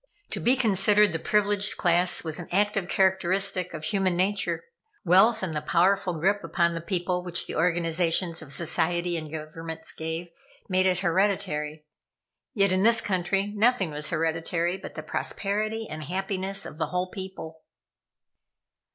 To be considered the privileged class was an active characteristic of human nature. Wealth, and the powerful grip upon the people which the organizations of society and governments gave, made it hereditary. Yet in this country, nothing was hereditary but the prosperity and happiness of the whole people.